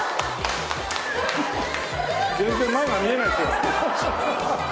全然前が見えないですよ。